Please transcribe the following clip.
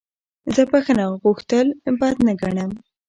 زه بخښنه غوښتل بد نه ګڼم.